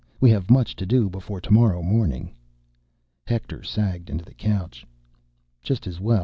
We have much to do before tomorrow morning." Hector sagged into the couch. "Just as well.